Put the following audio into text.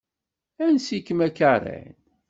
Ansi-kem a Karen?